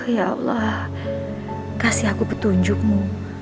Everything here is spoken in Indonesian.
ya allah kasih aku petunjukmu